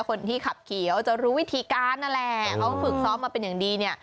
คนที่ขับเขียวจะรู้วิธีการนั่นแหละเขาฝึกซ้อมมาเป็นอย่างดีเนี่ย